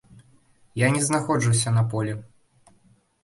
Я не знаходжуся на полі.